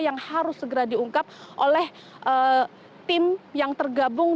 yang harus segera diungkap oleh tim yang tergabung